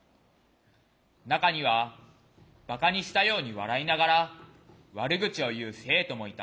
中にはばかにしたように笑いながら悪口を言う生徒もいた。